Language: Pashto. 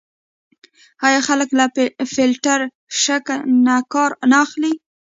آیا خلک له فیلټر شکن کار نه اخلي؟